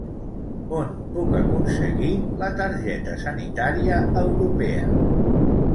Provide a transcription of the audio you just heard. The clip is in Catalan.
On puc aconseguir la targeta sanitària europea?